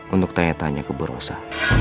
untuk tanya tanya ke burosa